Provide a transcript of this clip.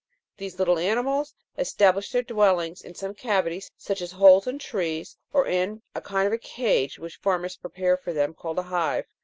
These little animals establish their dwellings in some cavity, such as holes in trees, or in a kind of cage which farmers prepare for them, called a hive.